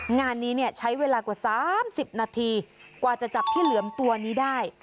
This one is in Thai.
งานนี้เนี่ยใช้เวลากว่า๓๐นาทีกว่าจะจับพี่เหลือมตัวนี้ได้